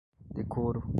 decoro